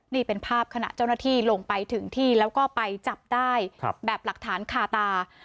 นี่เป็นภาพขณะเจ้าหน้าที่ลงไปถึงที่แล้วก็ไปจับได้แบบหลักฐานคาตา